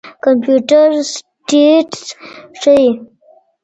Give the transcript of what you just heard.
کمپيوټر سټېټس ښيي.